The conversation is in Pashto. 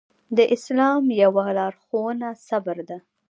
د اسلام يوه لارښوونه صبر ده.